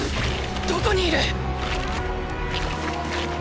どこにいる！！